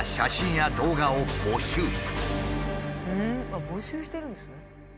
あっ募集してるんですね。